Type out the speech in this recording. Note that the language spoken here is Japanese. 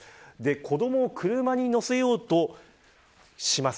子どもを車に乗せようとします。